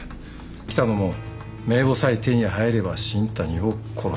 喜多野も名簿さえ手に入れば新谷を殺す。